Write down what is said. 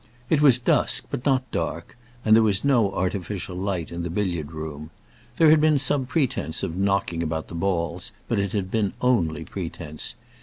It was dusk, but not dark, and there was no artificial light in the billiard room. There had been some pretence of knocking about the balls, but it had been only pretence.